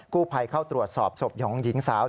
ผู้ภัยเข้าตรวจสอบศพของหญิงสาว